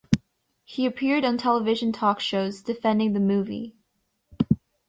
He appeared on television talk shows, defending the movie.